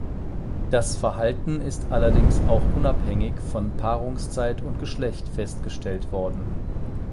Das Verhalten ist allerdings auch unabhängig von Paarungszeit und Geschlecht festgestellt worden.